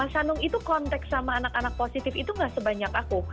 sandung itu kontak sama anak anak positif itu gak sebanyak aku